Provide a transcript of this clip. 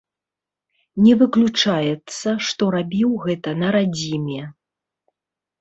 Не выключаецца, што рабіў гэта на радзіме.